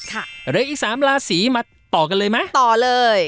ค่ะเลิกอีกสามลาสีมาต่อกันเลยไหมต่อเลย